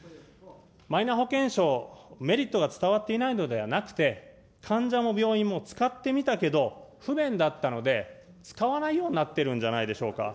マイナ保険証、メリットが伝わっていないのではなくて、患者も病院も使ってみたけど、不便だったので、使わないようになってるんじゃないでしょうか。